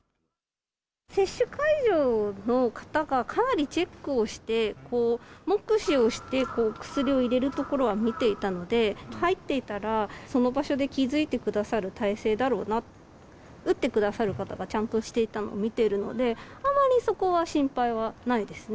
接種会場の方がかなりチェックをして、目視をして、薬を入れるところは見ていたので、入っていたらその場所で気付いてくださる体制だろうな、打ってくださる方がちゃんとしていたのを見ていたので、あまりそこは心配はないですね。